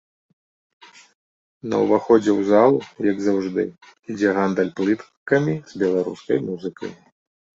На ўваходзе ў залу, як заўжды, ідзе гандаль плыткамі з беларускай музыкай.